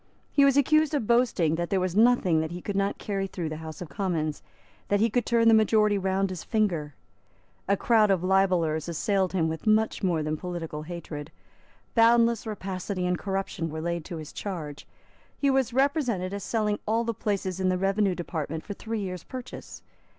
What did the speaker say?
He was accused of boasting that there was nothing that he could not carry through the House of Commons, that he could turn the majority round his finger. A crowd of libellers assailed him with much more than political hatred. Boundless rapacity and corruption were laid to his charge. He was represented as selling all the places in the revenue department for three years' purchase.